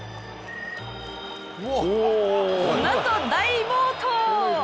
なんと大暴投！